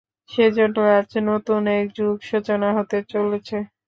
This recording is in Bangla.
সেজন্য আজ নতুন এক যুগের সূচনা হতে চলেছে।